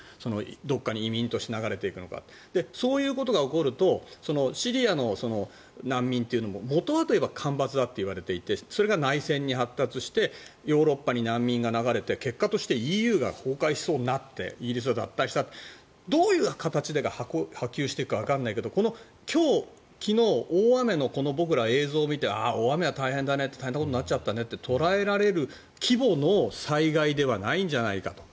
どこかに移民として流れていくのかそういうことが起こるとシリアの難民というのも元はといえば干ばつだといわれていてそれが内戦に発達してヨーロッパに難民が流れて結果としてＥＵが崩壊しそうになってイギリスが脱退したどういう形で波及していくかわからないけど今日、昨日、大雨の映像を見てああ、大雨は大変なことになっちゃったねって捉えられる規模の災害ではないんじゃないかと。